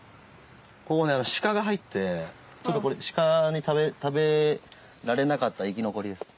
ここね鹿が入ってちょっとこれ鹿に食べられなかった生き残りです。